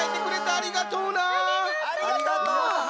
ありがとう！